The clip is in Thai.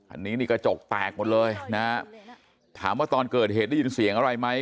อันนี้นี่กระจกแตกหมดเลยนะฮะถามว่าตอนเกิดเหตุได้ยินเสียงอะไรไหม